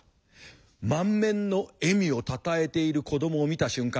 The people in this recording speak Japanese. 満面の笑みをたたえている子どもを見た瞬間